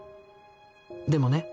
でもね